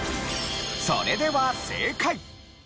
それでは正解。